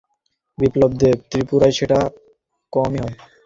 বিপ্লব দেব ত্রিপুরায় সেটা কমই হয়।